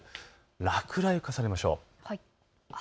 落雷を重ねましょう。